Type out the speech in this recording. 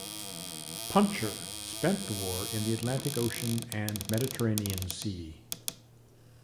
"Puncher" spent the war in the Atlantic Ocean and Mediterranean Sea.